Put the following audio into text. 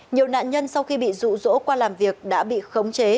nhiều nạn nhân sau khi bị rụ rỗ qua làm việc đã bị khống chế